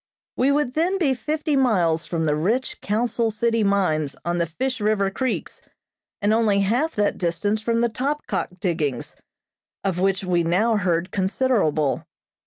We would then be fifty miles from the rich Council City mines on the Fish River Creeks, and only half that distance from the Topkok diggings, of which we now heard considerable.